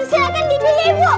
silahkan dibeli bu